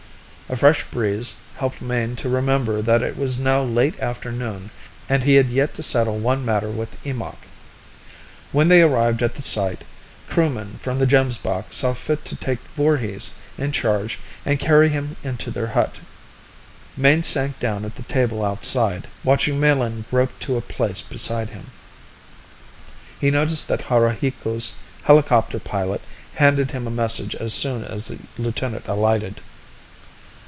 A fresh breeze helped Mayne to remember that it was now late afternoon and he had yet to settle one matter with Eemakh. When they arrived at the site, crewmen from the Gemsbok saw fit to take Voorhis in charge and carry him into their hut. Mayne sank down at the table outside, watching Melin grope to a place beside him. He noticed that Haruhiku's helicopter pilot handed him a message as soon as the lieutenant alighted.